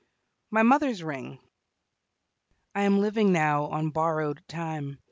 MY MOTHER'S RING I am living now on borrowed time.